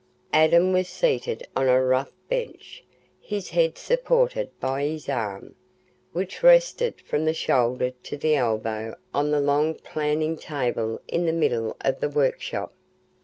Adam was seated on a rough bench, his head supported by his arm, which rested from the shoulder to the elbow on the long planing table in the middle of the workshop.